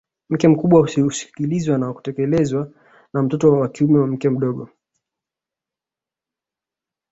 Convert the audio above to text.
Mke mkubwa husikilizwa na kutekelezwa na mtoto wa kiume wa mke mdogo